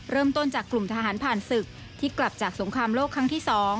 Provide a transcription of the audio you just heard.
เริ่มต้นจากกลุ่มทหารผ่านศึกที่กลับจากสงครามโลกครั้งที่๒